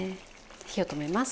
火を止めます。